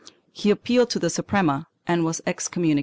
He appealed to the Suprema and was excommunicated.